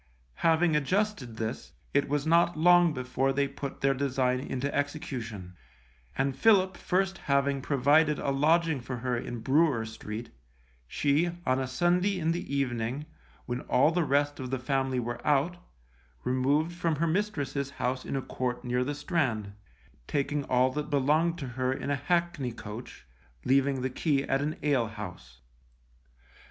Having adjusted this, it was not long before they put their design into execution, and Philip first having provided a lodging for her in Brewer Street, she, on a Sunday in the evening, when all the rest of the family were out, removed from her mistress's house in a court near the Strand, taking all that belonged to her in a hackney coach, leaving the key at an alehouse.